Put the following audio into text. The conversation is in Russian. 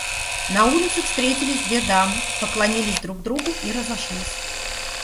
На улице встретились две дамы, поклонились друг другу и разошлись.